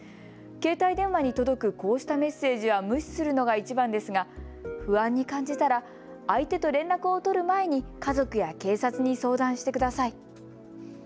携帯電話に届くこうしたメッセージは無視するのがいちばんですが不安に感じたら相手と連絡を取る前に家族や警察に相談してください。